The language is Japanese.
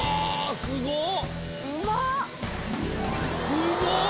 すごっ！